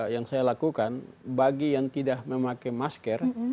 yang saya lakukan bagi yang tidak memakai masker